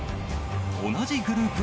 同じグループＥ